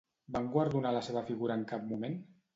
Van guardonar la seva figura en cap moment?